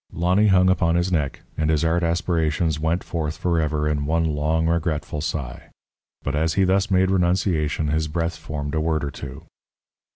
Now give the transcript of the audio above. Lonny hung upon his neck, and his art aspirations went forth forever in one long, regretful sigh. But as he thus made renunciation his breath formed a word or two.